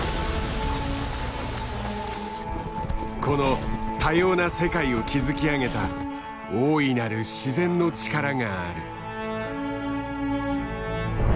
この多様な世界を築き上げた大いなる自然の力がある。